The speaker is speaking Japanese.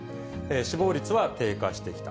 死亡率は低下してきた。